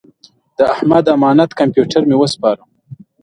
د احمد امانت کمپیوټر مې وسپاره.